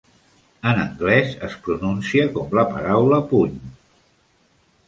En anglès es pronuncia com la paraula "puny".